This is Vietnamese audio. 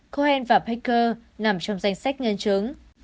cohen và baker nằm trong danh sách nhân chứng